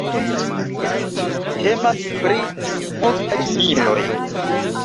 Temas pri multaj miloj.